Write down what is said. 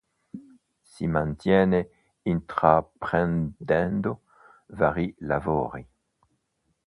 Si mantiene intraprendendo vari lavori.